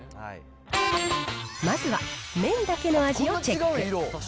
まずは麺だけの味をチェック。